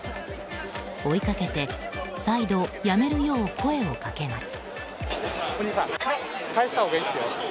追いかけて再度やめるよう声をかけます。